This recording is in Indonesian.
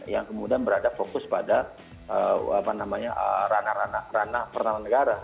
yang kemudian berada fokus pada apa namanya ranah ranah pertengahan negara